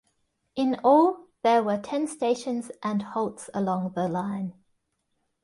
In all there were ten stations and halts along the line.